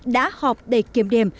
đã họp đề kiểm đềm